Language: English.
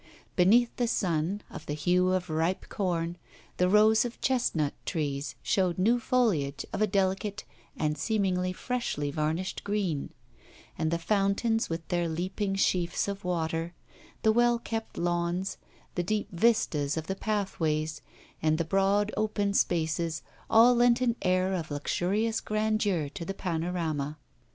Beneath the sun, of the hue of ripe corn, the rows of chestnut trees showed new foliage of a delicate and seemingly freshly varnished green; and the fountains with their leaping sheafs of water, the well kept lawns, the deep vistas of the pathways, and the broad open spaces, all lent an air of luxurious grandeur to the panorama.